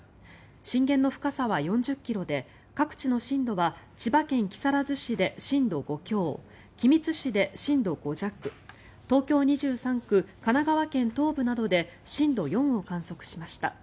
震源の深さは４０ｋｍで各地の震度は千葉県木更津市で震度５強君津市で震度５弱東京２３区、神奈川県東部などで震度４を観測しました。